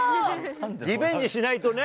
リベンジしないとね。